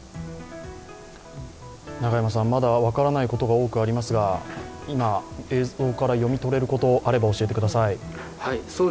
まだ分からないことが多くありますが、今、映像から読み取れることがあれば教えてください。